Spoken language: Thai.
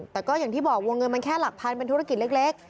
แต่ก็อย่างที่บอกวงเงินมันแค่หลักพันเป็นธุรกิจเล็ก